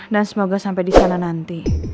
dan semoga sampai di sana nanti